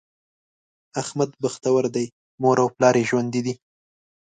احمد بختور دی؛ مور او پلار یې ژوندي دي.